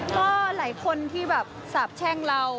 ก็หลายคนที่แบบสาบแช่งเรา